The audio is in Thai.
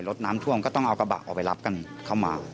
รถน้ำท่วมก็ต้องเอากระบะออกไปรับกันเข้ามา